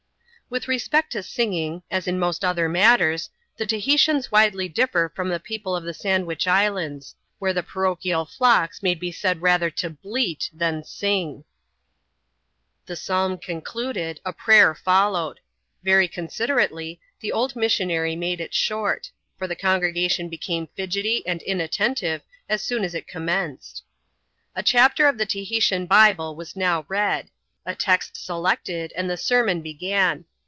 With respect to singing, as in most other matters, the Tahi tians widely difier from the people of the Sandwich Islands ; where the parochial flocks may be said rather to bleat than The psalm concluded, a prayer followed. Very consider ately, the good old missionary made it short ; for the congre gation became fidgety and inattentive as soon as it com menced. A chapter of the Tahitian Bible was now read ; a text selected, and the sermon began.